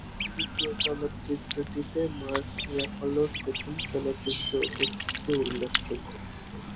দ্বিতীয় চলচ্চিত্রটিতে মার্ক রাফালোর প্রথম চলচ্চিত্র উপস্থিতি উল্লেখযোগ্য।